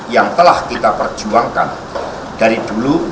yang telah kita perjuangkan dari dulu